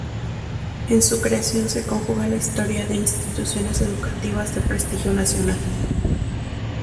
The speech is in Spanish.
En su creación se conjuga la historia de instituciones educativas de prestigio nacional.